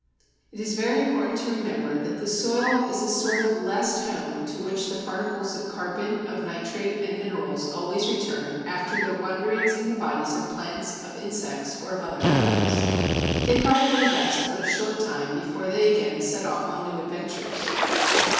It is very important to remember that the soil is a sort of last home to which the particles of carbon, of nitrate, and minerals always return after their wanderings in the bodies of plants, of insects, or of other animals. They probably rest but a short time before they again set off on new adventures.